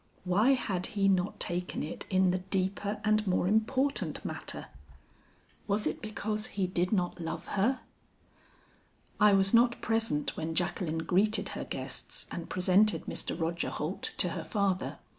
Why had he not taken it in the deeper and more important matter? Was it because he did not love her? "I was not present when Jacqueline greeted her guests and presented Mr. Roger Holt to her father.